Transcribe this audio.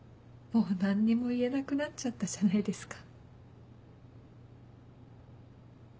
もう何にも言えなくなっちゃったじゃないですか。